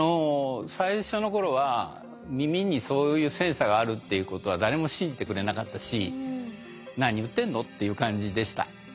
最初の頃は耳にそういうセンサーがあるっていうことは誰も信じてくれなかったし「何言ってんの」っていう感じでした。